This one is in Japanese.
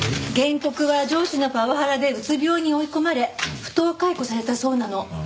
原告は上司のパワハラでうつ病に追い込まれ不当解雇されたそうなの。